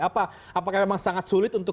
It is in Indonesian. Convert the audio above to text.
apa apakah memang sangat sulit untuk